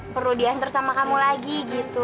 perlu diantar sama kamu lagi gitu